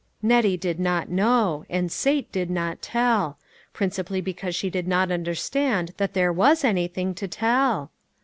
Nettie did not know, and Sate did not tell; principally because she did not understand that there was anything to tell.